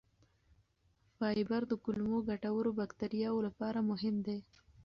فایبر د کولمو ګټورو بکتریاوو لپاره مهم دی.